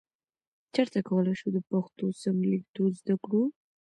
چیرته کولای شو د پښتو سم لیکدود زده کړو؟